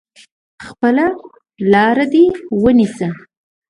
خپله لار دي ونیسه !